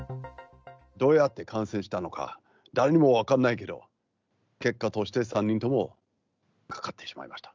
どうやって感染したのか、誰にも分かんないけど、結果として、３人ともかかってしまいました。